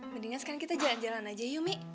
mendingan sekarang kita jalan jalan aja yu mi